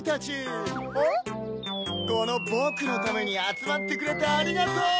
このぼくのためにあつまってくれてありがとう！